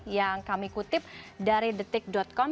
yang kami kutip dari detik com